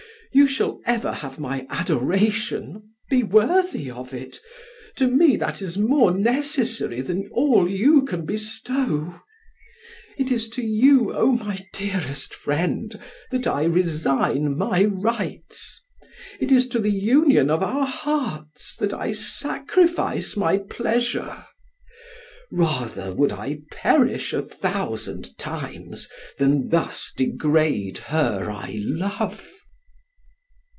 You shall ever have my adoration: be worthy of it; to me that is more necessary than all you can bestow. It is to you, O my dearest friend! that I resign my rights; it is to the union of our hearts that I sacrifice my pleasure; rather would I perish a thousand times than thus degrade her I love."